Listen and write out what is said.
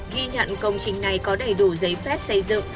ghi nhận công trình này có đầy đủ giấy phép xây dựng